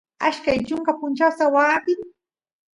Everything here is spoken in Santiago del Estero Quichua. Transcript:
ashkay chunka punchawsta waa apin